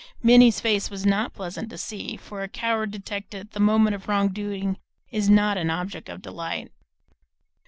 Minnie's face was not pleasant to see, for a coward detected at the moment of wrongdoing is not an object of delight.